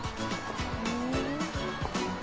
ふん。